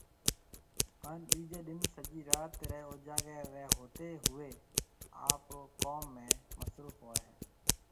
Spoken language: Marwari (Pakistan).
هان ٻيجي ڏن سجي رات ري اوجاگي ري هوتي هوئي آپري ڪم ۾ مصروف هوئي هي